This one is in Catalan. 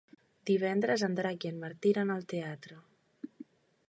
Divendres en Drac i en Martí iran al teatre.